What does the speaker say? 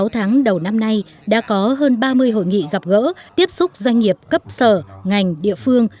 sáu tháng đầu năm nay đã có hơn ba mươi hội nghị gặp gỡ tiếp xúc doanh nghiệp cấp sở ngành địa phương